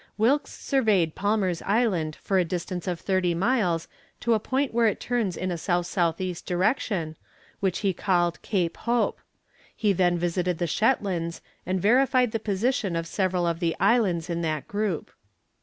Wilkes surveyed Palmer's Land for a distance of thirty miles to the point where it turns in a S.S.E. direction, which he called Cape Hope; he then visited the Shetlands and verified the position of several of the islands in that group.